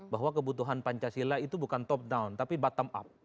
bahwa kebutuhan pancasila itu bukan top down tapi bottom up